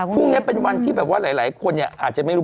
พรุ่งนี้เป็นวันที่แบบว่าหลายคนเนี่ยอาจจะไม่รู้